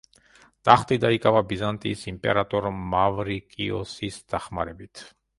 ტახტი დაიკავა ბიზანტიის იმპერატორ მავრიკიოსის დახმარებით.